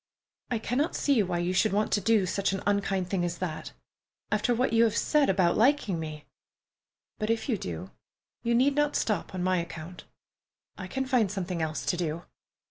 "I cannot see why you should want to do such an unkind thing as that, after what you have said about liking me, but if you do, you need not stop on my account. I can find something else to do.